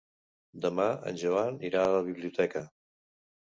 Demà en Joan irà a la biblioteca.